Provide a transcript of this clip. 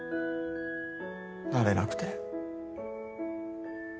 なれなくて。